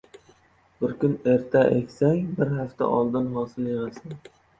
• Bir kun erta eksang bir hafta oldin hosil yig‘asan.